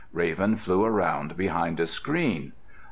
Raven flew around behind a screen.